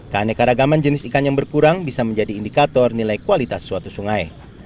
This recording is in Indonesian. keanekaragaman jenis ikan yang berkurang bisa menjadi indikator nilai kualitas suatu sungai